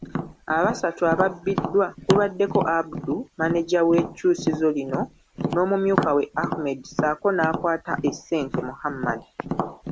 Abasatu ababbiddwa kubaddeko Abdul, maneja w'ekkyusizo lino n'omumyukawe Ahmed ssaako n'akwata essente Muhammad.